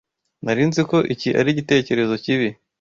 Nari nzi ko iki ari igitekerezo kibi.